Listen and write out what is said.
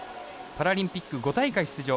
パラリンピック５大会出場